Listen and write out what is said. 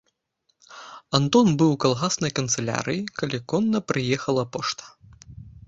Антон быў у калгаснай канцылярыі, калі конна прыехала пошта.